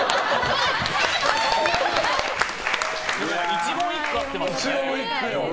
一言一句合ってましたね。